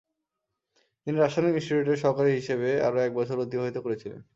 তিনি রাসায়নিক ইনস্টিটিউটের সহকারী হিসাবে আরও এক বছর অতিবাহিত করেছিলেন।